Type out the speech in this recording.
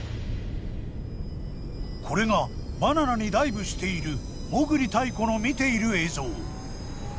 これがバナナにダイブしている裳繰泰子の見ている映像。